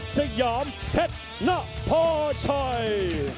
สยามเพชรนภาชัย